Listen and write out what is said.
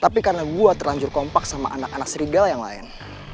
tapi karena gue terlanjur kompak sama anak anak serigal yang lain